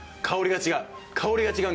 香りが違う！